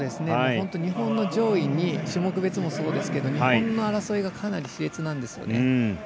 本当、日本の上位に種目別もそうですけど日本の争いがしれつなんですよね。